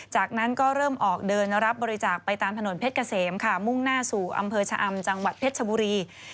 จากนั้นก็เริ่มออกเดินรับบริจาคไปตามถนนเพชรเกษมค่ะมุ่งหน้าสู่อำเภอชะอำจังหวัดเพชรชบุรี